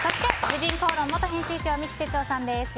そして、「婦人公論」元編集長三木哲男さんです。